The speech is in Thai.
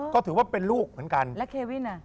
ก็ถือว่าเป็นลูกเหมือนกันแล้วเควินอ่ะ